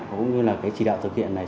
cũng như là cái chỉ đạo thực hiện này